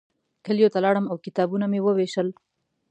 کلیو ته لاړم او کتابونه مې ووېشل.